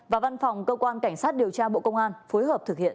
và văn phòng cơ quan cảnh sát điều tra bộ công an phối hợp thực hiện